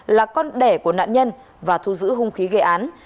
là con đẻ của nạn nhân và thu giữ hung khí gây án